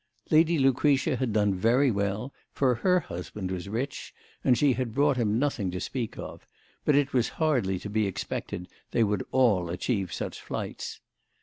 Lady Lucretia had done very well, for her husband was rich and she had brought him nothing to speak of; but it was hardly to be expected they would all achieve such flights.